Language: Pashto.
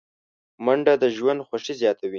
منډه د ژوند خوښي زیاتوي